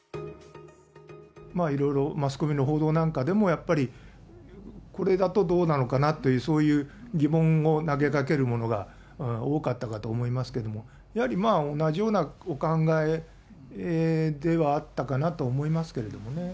いろいろマスコミの報道なんかでも、やっぱりこれだとどうなのかなという、そういう疑問を投げかけるものが多かったかと思いますけども、やはり同じようなお考えではあったかなと思いますけれどもね。